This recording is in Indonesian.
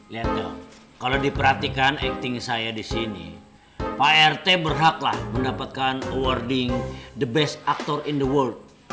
lihat dong kalau diperhatikan acting saya di sini pak rt berhaklah mendapatkan awarding the best actor in the world